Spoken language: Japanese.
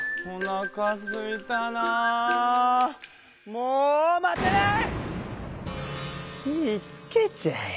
もう待てない！